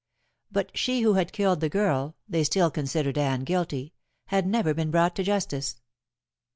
But she who had killed the girl they still considered Anne guilty had never been brought to justice.